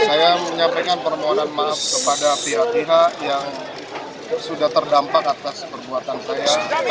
saya menyampaikan permohonan maaf kepada pihak pihak yang sudah terdampak atas perbuatan saya